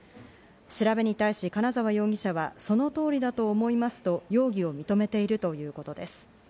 調べに対し金沢容疑者は、その通りだと思いますと容疑を認めているということです。